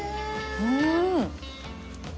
うん！